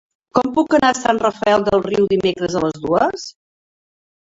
Com puc anar a Sant Rafel del Riu dimecres a les dues?